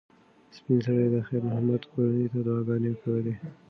سپین سرې د خیر محمد کورنۍ ته دعاګانې کولې.